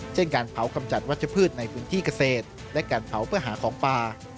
การเผากำจัดวัชพืชในพื้นที่เกษตรและการเผาเพื่อหาของป่า